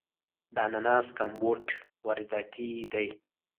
د اناناس کمپوټ وارداتی دی.